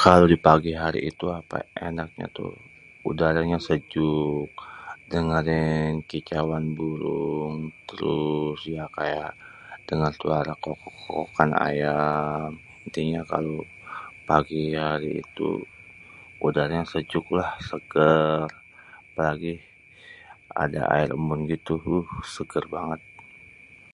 Kalo di pagi hari itu apa ya, enaknya tuh udaranya sejuk, dengerin kicauan burung, terus ya, kayak denger suara kokokan ayam. Intinya kalo pagi hari itu, udaranya sejuk lah, seger. Lagi ada aer embun gitu, beuh seger banget.